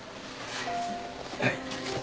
はい。